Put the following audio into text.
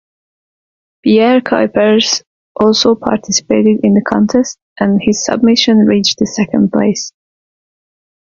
Pierre Cuypers also participated in the contest and his submission reached the second place.